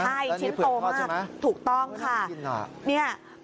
ใช่ชิ้นโตมากถุกต้องค่ะพึ่งน่ากินน่ะและนี่ผืดทอดใช่ไหม